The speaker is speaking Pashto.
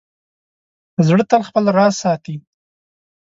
زړه تل خپل راز ساتي.